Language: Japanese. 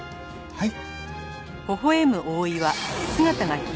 はい。